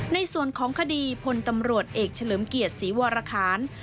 ในส่วนของคดีพลตำรวจเอกเฉลิมเกียรติศรีวรคาร